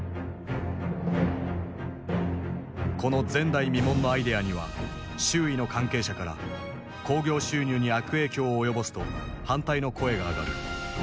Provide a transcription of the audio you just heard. この前代未聞のアイデアには周囲の関係者から興行収入に悪影響を及ぼすと反対の声が上がる。